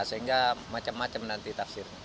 sehingga macam macam nanti tafsirnya